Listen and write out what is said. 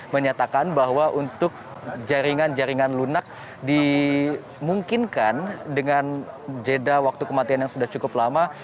menyatakan bahwa untuk jaringan jaringan lunak dimungkinkan dengan jeda waktu kematian yang sudah cukup lama